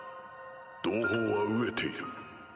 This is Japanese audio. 同胞は飢えている。